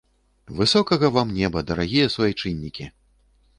Высокага вам неба, дарагія суайчыннікі!